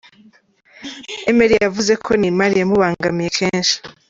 Emery yavuze ko Neymar yamubangamiye kenshi.